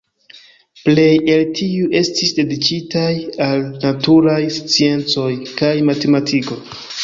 Plej el tiuj estis dediĉitaj al naturaj sciencoj kaj matematiko.